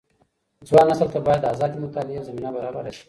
ځوان نسل ته بايد د ازادي مطالعې زمينه برابره سي.